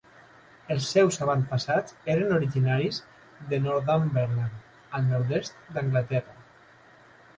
Els seus avantpassats eren originaris de Northumberland al nord-est d'Anglaterra.